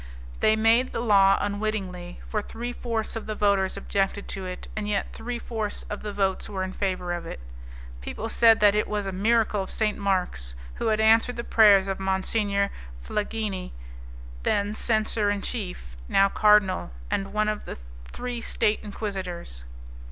They had made the law unwittingly, for three fourths of the voters objected to it, and yet three fourths of the votes were in favour of it. People said that it was a miracle of St. Mark's, who had answered the prayers of Monsignor Flangini, then censor in chief, now cardinal, and one of the three State Inquisitors.